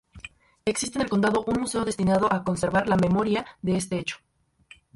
Existe en el condado un museo destinado a conservar la memoria de este hecho.